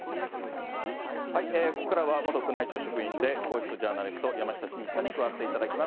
ここからは元宮内庁職員で、皇室ジャーナリスト、山下晋司さんに加わっていただきます。